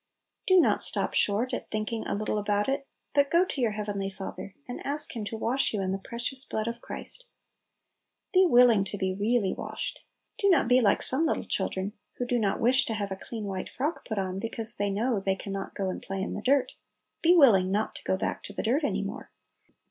Do not stop short at thinking a little about it, but go to your heavenly Fa ther, and ask Him to wash you in the precious blood of Christ. Be vMing to be really washed. Do not be like some little children, who do not wish to have a clean white frock put on, because they know they can not Little Pillows, 29 go and play in the dirt Be willing not to go back to the dirt any more.